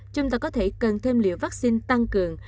chúng ta có thể cần thêm liều vaccine tăng cường